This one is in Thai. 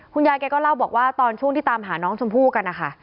แกก็เล่าบอกว่าตอนช่วงที่ตามหาน้องชมพู่กันนะคะ